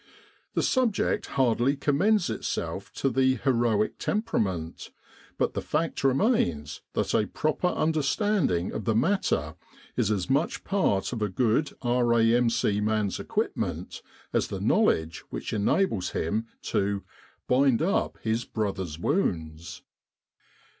The subject hardly commends itself to the heroic temperament; but the fact remains that a proper understanding of the matter is as much part of a good R.A.M.C. man's equipment as the knowledge which enables him to "bind up his brother's wounds."